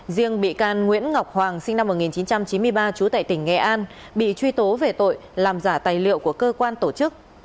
riêng bị can nguyễn ngọc hoàng sinh năm một nghìn chín trăm chín mươi ba trú tại tỉnh nghệ an bị truy tố về tội làm giả tài liệu của cơ quan tổ chức